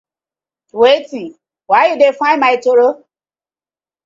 Wetin? Why do dey find my toro?